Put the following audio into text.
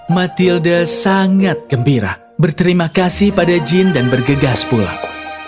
matilda sangat gembira berterima kasih pada jin dan bergegas pulang